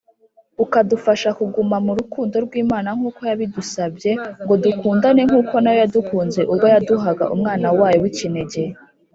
ukadufasha kuguma mu rukundo rw Imana nkuko yabidusbye ngodukundane nkuko nayo yadukunze ubwo yaduhaga umwana wayo wikinege.